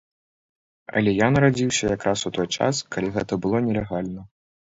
Але я нарадзіўся якраз у той час, калі гэта было нелегальна.